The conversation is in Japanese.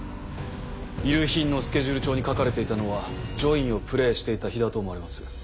遺留品のスケジュール帳に書かれていたのは『ジョイン』をプレーしていた日だと思われます。